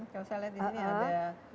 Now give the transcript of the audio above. kalau saya lihat di sini ada